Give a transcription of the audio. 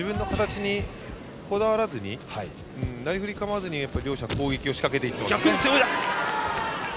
具体的には自分の形にこだわらずになりふり構わずに両者攻撃を仕掛けていってます。